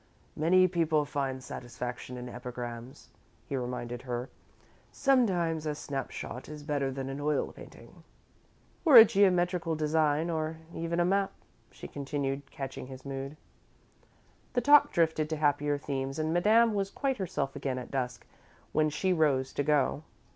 "Many people find satisfaction in epigrams," he reminded her. "Sometimes a snap shot is better than an oil painting." "Or a geometrical design, or even a map," she continued, catching his mood. The talk drifted to happier themes and Madame was quite herself again at dusk, when she rose to go.